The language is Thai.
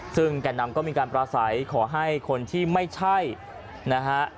ซึ่งแก่นำก็มีการปราศัยขอให้คนที่ไม่ใช่นะฮะ